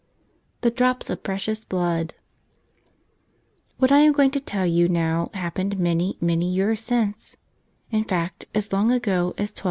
Cf)c Drops of Precious 15IooD HAT I am going to tell you now happened many, many years since; in fact, as long ago as 1264.